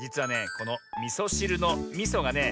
このみそしるのみそがね